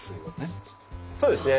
そうですね。